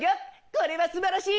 これは素晴らしい！